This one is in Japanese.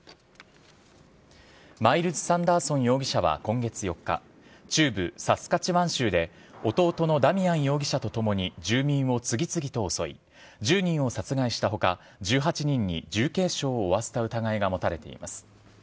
マイルス・サンダーソン容疑者は今月４日中部・サスカチワン州で弟のダミアン容疑者とともに住民を次々と襲い１０人を殺害した他１８人に重軽傷を負わせた疑いが持たれています。